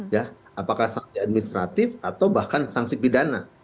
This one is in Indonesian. ya apakah sanksi administratif atau bahkan sanksi pidana